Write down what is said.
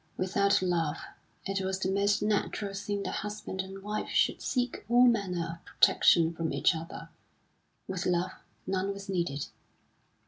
Without love it was the most natural thing that husband and wife should seek all manner of protection from each other; with love none was needed.